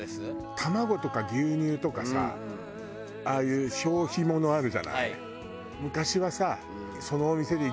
卵とか牛乳とかさああいう消費物あるじゃない。